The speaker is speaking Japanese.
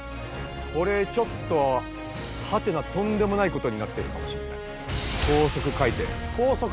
これちょっとハテナとんでもないことになってるかもしんない。